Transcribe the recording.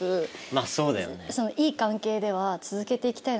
まぁそうだよね。